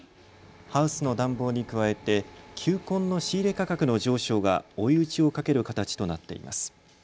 ハウスの暖房に加えて球根の仕入れ価格の上昇が追い打ちをかける形となっています。